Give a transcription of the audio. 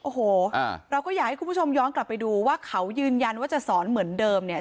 โอ้โหเราก็อยากให้คุณผู้ชมย้อนกลับไปดูว่าเขายืนยันว่าจะสอนเหมือนเดิมเนี่ย